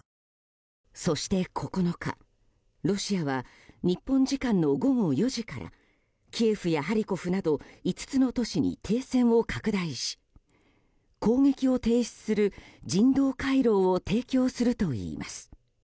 そして９日、ロシアは日本時間の午後４時からキエフやハリコフなど５つの都市に停戦を拡大し攻撃を停止する人道回廊を提供するといいます。